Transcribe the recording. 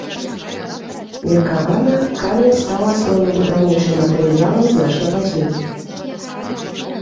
Меркавана, камень стаў асноўным будаўнічым матэрыялам значна пазней.